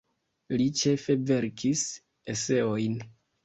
Li ĉefe verkis eseojn.